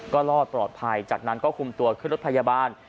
ก็รอดปลอดภัยจากนั้นก็คุมตัวขึ้นรถพยาบาล